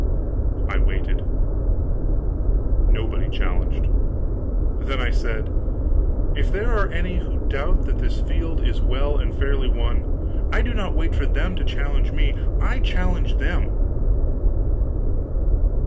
I waited. Nobody challenged. Then I said: "If there are any who doubt that this field is well and fairly won, I do not wait for them to challenge me, I challenge them."